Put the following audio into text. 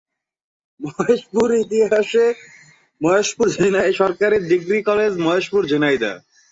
মহেশপুর ইতিহাসে মহেশপুর সরকারি degree college Maheshpur, Jhenaidah.